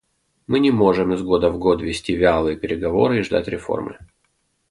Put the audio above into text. Мы не можем из года в год вести вялые переговоры и ждать реформы.